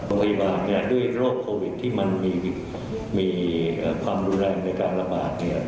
โรงพยาบาลเนี่ยด้วยโรคโควิดที่มันมีความรุนแรงในการระบาดเนี่ย